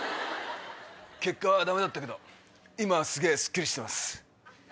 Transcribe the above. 結果はダメだったけど今はすげぇスッキリしてます。